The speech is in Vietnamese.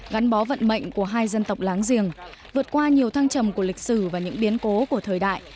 gắn bó vận mệnh của hai dân tộc láng giềng vượt qua nhiều thăng trầm của lịch sử và những biến cố của thời đại